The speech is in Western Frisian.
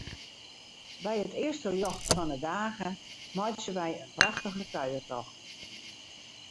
By it earste ljocht fan 'e dage meitsje wy in prachtige kuiertocht.